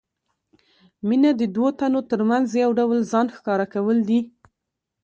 مینه د دوو تنو ترمنځ یو ډول ځان ښکاره کول دي.